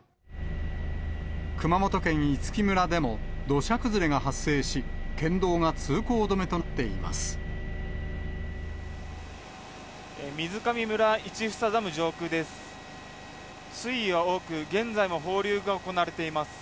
熊本県五木村でも、土砂崩れが発生し、県道が通行止めとなっています。